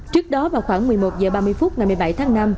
trước đó vào khoảng một mươi một h ba mươi phút ngày một mươi bảy tháng năm